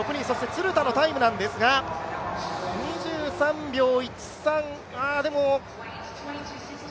鶴田のタイムですが、２３秒１３。